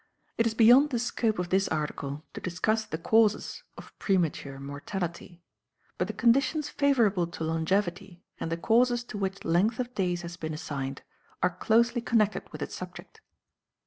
It is beyond the scope of this article to discuss the causes of premature mortality, but the conditions favourable to longevity, and the causes to which length of days has been assigned, are closely connected with its subject.